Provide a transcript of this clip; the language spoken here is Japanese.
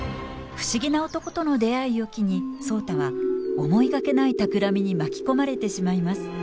不思議な男との出会いを機に壮多は思いがけないたくらみに巻き込まれてしまいます。